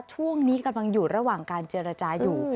ช่วงนี้กำลังอยู่ระหว่างการเจรจาอยู่